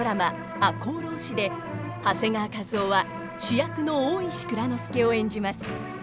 「赤穂浪士」で長谷川一夫は主役の大石内蔵助を演じます。